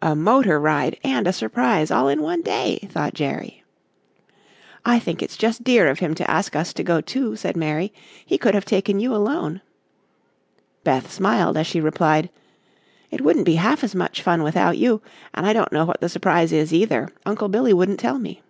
"A motor ride and a surprise all in one day," thought Jerry. "I think it's just dear of him to ask us to go, too," said Mary. "He could have taken you alone." Beth smiled, as she replied: "It wouldn't be half as much fun without you, and I don't know what the surprise is, either; Uncle Billy wouldn't tell me."